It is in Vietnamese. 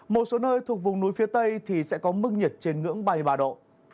một số nơi thuộc vùng núi phía tây thì sẽ có mức nhiệt trên ngưỡng ba mươi ba độ